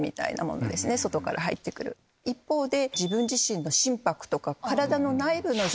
一方で。